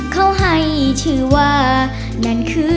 เขาให้ชื่อว่านั่นคือ